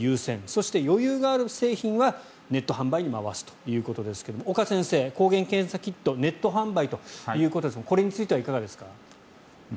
そして、余裕がある製品はネット販売に回すということですが岡先生、抗原検査キットネット販売ということですがこれについてはいかがですか？